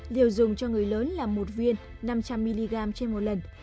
liều dùng cho người lớn là một viên năm trăm linh mg trên một lần